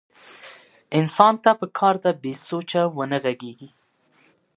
انسان ته پکار ده بې سوچه ونه غږېږي.